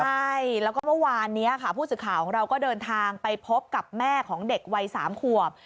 ใช่แล้วก็เมื่อวานนี้ค่ะผู้สื่อข่าวของเราก็เดินทางไปพบกับแม่ของเด็กวัย๓ขวบ